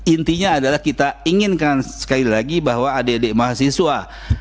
intinya adalah kita inginkan sekali lagi bahwa adik adik mahasiswa